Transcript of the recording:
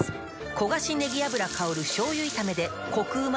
焦がしねぎ油香る醤油炒めでコクうま